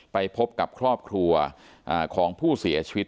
ไปพบกับครอบครัวของผู้เสียชีวิต